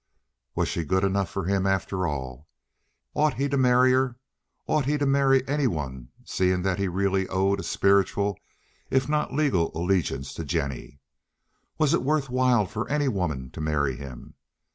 Was she good enough for him after all? Ought he to marry her? Ought he to marry any one seeing that he really owed a spiritual if not a legal allegiance to Jennie? Was it worth while for any woman to marry him?